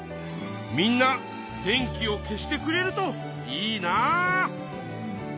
みんな電気を消してくれるといいな。